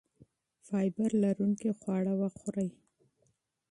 فایبر لرونکي خواړه وخورئ.